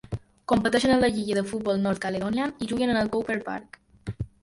Competeixen en la lliga de futbol North Caledonian i juguen en el Couper Park.